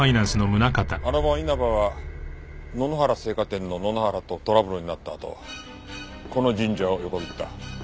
あの晩稲葉は野々原生花店の野々原とトラブルになったあとこの神社を横切った。